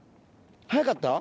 早かった？